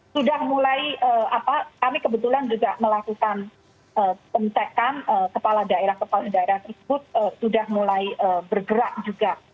sudah mulai apa kami kebetulan juga melakukan pengecekan kepala daerah kepala daerah tersebut sudah mulai bergerak juga